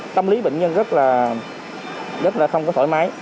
tâm lý bệnh nhân rất là không có thoải mái